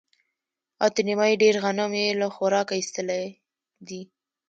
او تر نيمايي ډېر غنم يې له خوراکه ايستلي دي.